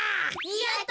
やった！